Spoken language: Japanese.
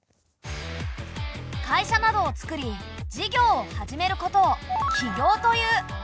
会社などをつくり事業を始めることを起業という。